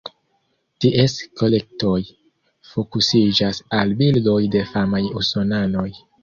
Ties kolektoj fokusiĝas al bildoj de famaj usonanoj.